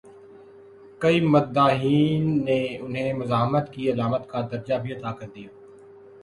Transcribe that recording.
کئی مداحین نے انہیں مزاحمت کی علامت کا درجہ بھی عطا کر دیا۔